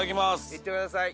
行ってください。